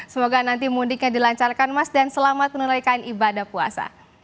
semoga nanti mudiknya dilancarkan mas dan selamat menunaikan ibadah puasa